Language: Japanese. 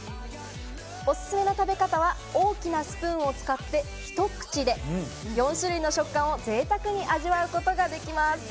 おすすめの食べ方は大きなスプーンを使って、ひと口で４種類の食感を贅沢に味わうことができます。